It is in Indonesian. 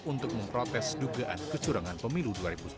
untuk memprotes dugaan kecurangan pemilu dua ribu sembilan belas